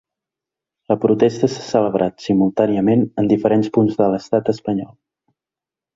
La protesta s’ha celebrat simultàniament en diferents punts de l’estat espanyol.